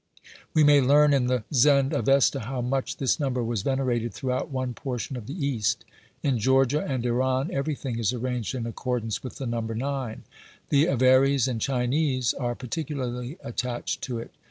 We may learn in the Zend Avesta how much this number was venerated through out one portion of the East. In Georgia and Iran, every thing is arranged in accordance with the number nine ; the Avares and Chinese are particularly attached to it.